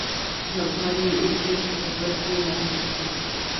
د همکاریو اوږد لېست په سفر کې لاسلیک شو.